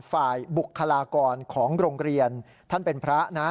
บุคลากรของโรงเรียนท่านเป็นพระนะ